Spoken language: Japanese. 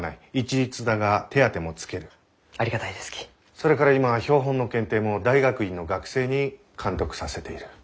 それから今は標本の検定も大学院の学生に監督させている。